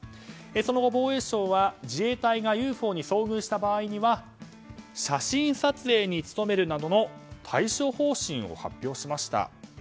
その後、防衛省は自衛隊がＵＦＯに遭遇した場合は写真撮影に努めるなどの対処方針を発表しました。